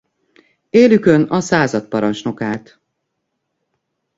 Élükön a századparancsnok állt.